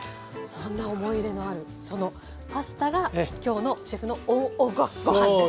そんな思い入れのあるそのパスタが今日のシェフのＯＮごはんです。